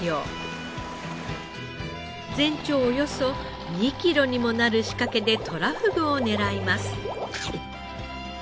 全長およそ２キロにもなる仕掛けでとらふぐを狙います。